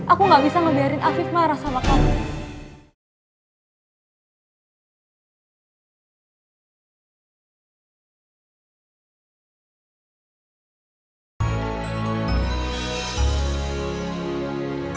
aku gak bisa ngebiarin afif marah sama kamu